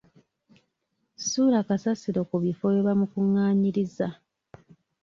Ssuula kasasiro ku bifo webamukungaanyiza.